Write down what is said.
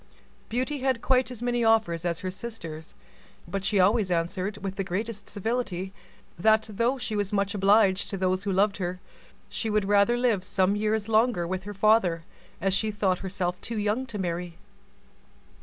Beauty had quite as many offers as her sisters, but she always answered, with the greatest civility, that though she was much obliged to her lovers, she would rather live some years longer with her father, as she thought herself too young to marry.